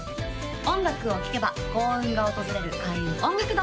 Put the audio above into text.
音楽を聴けば幸運が訪れる開運音楽堂